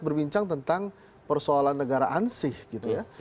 berbincang tentang persoalan negaraan sih gitu ya